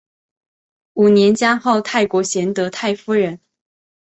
五年加号秦国贤德太夫人。